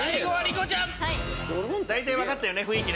大体分かったね雰囲気。